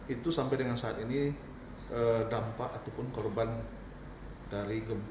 itu sampai dengan saat ini dampak ataupun korban dari gempa